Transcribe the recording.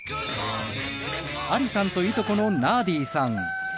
アリさんといとこのナーディさん。